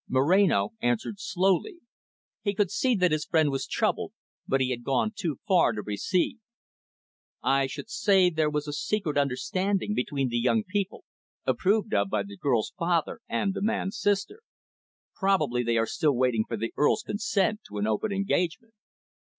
Moreno answered slowly. He could see that his friend was troubled, but he had gone too far to recede. "I should say there was a secret understanding between the young people, approved of by the girl's father, and the man's sister. Probably they are still waiting for the Earl's consent to an open engagement."